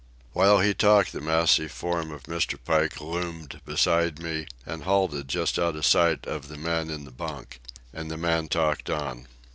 While he talked the massive form of Mr. Pike loomed beside me and halted just out of sight of the man in the bunk. And the man talked on.